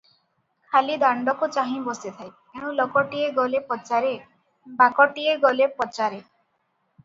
ଖାଲି ଦାଣ୍ତକୁ ଚାହିଁ ବସିଥାଏ, ଏଣୁ ଲୋକଟିଏ ଗଲେ ପଚାରେ, ବାକଟିଏ ଗଲେ ପଚାରେ ।"